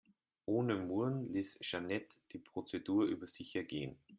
Ohne Murren ließ Jeanette die Prozedur über sich ergehen.